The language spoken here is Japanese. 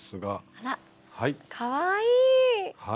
あらかわいい！